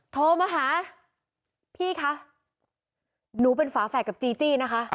โทรมาหาพี่คะหนูเป็นฝาแฝดกับจีจี้นะคะ